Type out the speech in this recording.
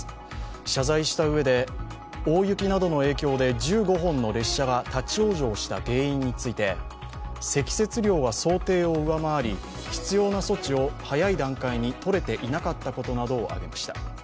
謝罪したうえで、大雪などの影響で１５本の列車が立往生した原因について積雪量が想定を上回り必要な措置を早い段階にとれていなかったことなどを挙げました。